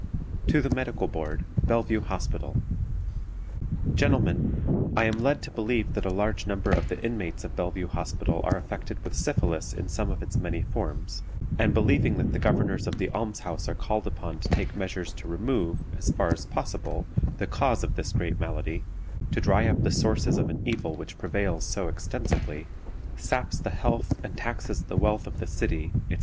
"TO THE MEDICAL BOARD, BELLEVUE HOSPITAL: "GENTLEMEN, I am led to believe that a large number of the inmates of Bellevue Hospital are affected with syphilis in some of its many forms, and believing that the Governors of the Alms house are called upon to take measures to remove, as far as possible, the cause of this great malady, to dry up the sources of an evil which prevails so extensively, saps the health and taxes the wealth of the city, etc.